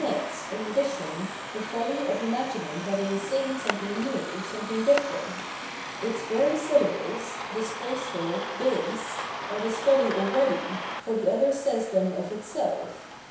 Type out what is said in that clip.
529 Culture and its Sphere of Reality in addition, the folly of imagining that it is sayiog something new, something different. Its very syllables, " disgraceful, " "base," are this folly already, for the other says them of itself.